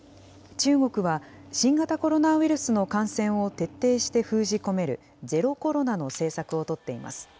中国は、新型コロナウイルスの感染を徹底して封じ込めるゼロコロナの政策を取っています。